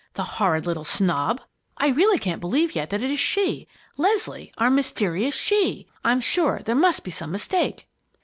The horrid little snob! I really can't believe yet that it is she, Leslie our 'mysterious she!' I'm sure there must be some mistake."